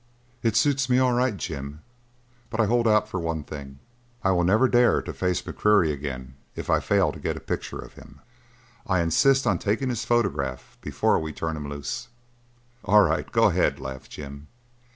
"It suits me all right, Jim, but I hold out for one thing. I will never dare to face McQuarrie again if I fail to get a picture of him. I insist on taking his photograph before we turn him loose." "All right, go ahead," laughed Jim.